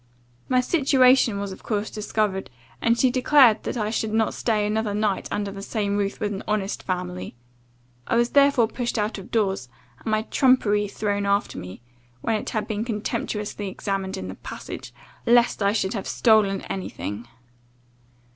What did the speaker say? "My situation was, of course, discovered, and she declared that I should not stay another night under the same roof with an honest family. I was therefore pushed out of doors, and my trumpery thrown after me, when it had been contemptuously examined in the passage, lest I should have stolen any thing.